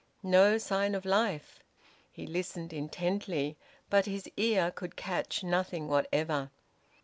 No sign of life! He listened intently, but his ear could catch nothing whatever.